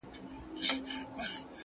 ریښتینی ارزښت په کردار کې وي